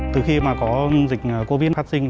từ khi mà có dịch covid phát sinh